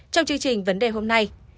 trong chương trình vấn đề hôm nay